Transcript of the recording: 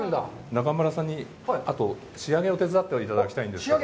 中丸さんにあと仕上げを手伝っていただきたいんですが。